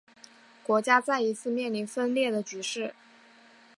国家再一次面临分裂的局势。